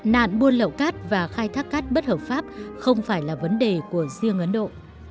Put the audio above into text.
nạn buôn lậu cát và khai thác cát bất hợp pháp không phải là vấn đề của riêng ấn độ